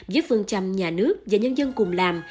giữa phương trầm nhà nước và nhân dân cùng làm